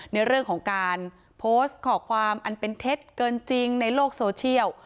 ในเรื่องของการโพสต์ข้อความอันเป็นเท็จเกินจริงในโลกโซเชียล